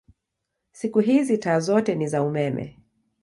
Siku hizi taa zote ni za umeme.